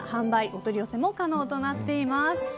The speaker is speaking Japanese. お取り寄せも可能となっています。